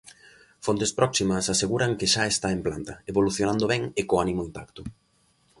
Fontes próximas aseguran que xa está en planta, evolucionando ben e co ánimo intacto.